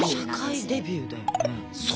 社会デビューだよね。